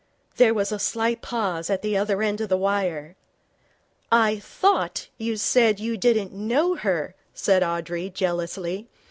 There was a slight pause at the other end of the wire. 'I thought you said you didn't know her,' said Audrey, jealously.